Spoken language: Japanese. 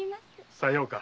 さようか。